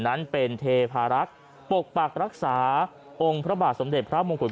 นั้นเป็นเทพารักษ์ปกปักรักษาองค์พระบาทสมเด็จพระมงกุฎ